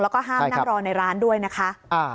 แล้วก็ห้ามนั่งรอในร้านด้วยนะคะ